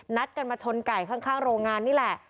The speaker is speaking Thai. นัดกันมาชนไก่ข้างโรงงานนี่แหละ